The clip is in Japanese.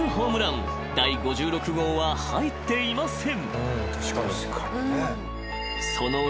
［第５６号は入っていません］